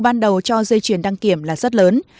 ban đầu cho dây chuyển đăng kiểm là rất lớn